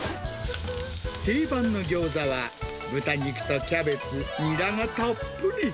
定番のギョーザは、豚肉とキャベツ、ニラがたっぷり。